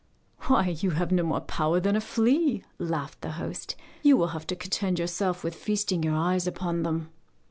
'Why, you have no more power than a flea,' laughed the host; 'you will have to content yourself with feasting your eyes upon them!